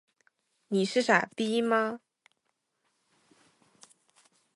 你是傻逼吗？